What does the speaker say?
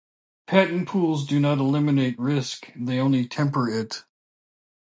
Patent pools do not eliminate risk, they only temper it.